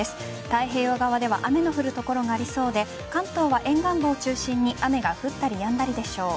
太平洋側では雨の降る所がありそうで関東は沿岸部を中心に雨が降ったりやんだりでしょう。